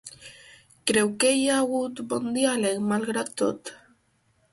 Creu que hi ha hagut bon diàleg, malgrat tot?